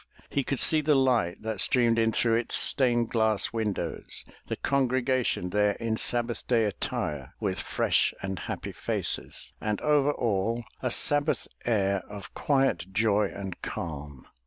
He could see the light that streamed in through its stained glass windows, the congregation there in Sabbath day attire with fresh and happy faces, and over all a Sabbath air of quiet joy and calm.